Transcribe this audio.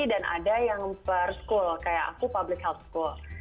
dan ada yang per school kayak aku public health school